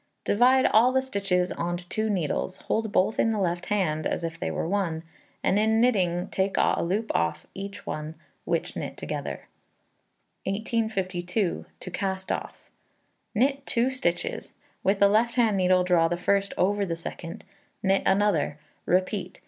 Divide all the stitches on to two needles, hold both in the left hand, as if they were one, and in knitting take a loop off each one, which knit together. 1852. To Cast off. Knit 2 stitches; with the left hand needle draw the first over the second; knit another; repeat.